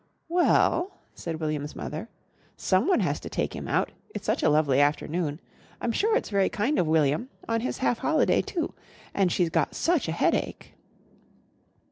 "Well," said William's mother, "someone has to take him out. It's such a lovely afternoon. I'm sure it's very kind of William, on his half holiday, too. And she's got such a headache."